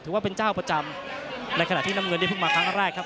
ว่าเป็นเจ้าประจำในขณะที่น้ำเงินได้เพิ่งมาครั้งแรกครับ